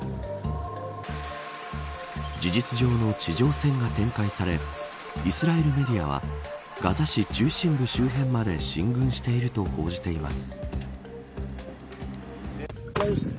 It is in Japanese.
事実上の地上戦が展開されイスラエルメディアはガザ市中心部周辺まで進軍していると報じています。